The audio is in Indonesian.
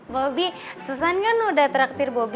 bobby sesan kan udah traktir bobby